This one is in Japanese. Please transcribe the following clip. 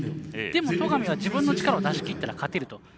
でも戸上は自分の力を出しきったら勝てると。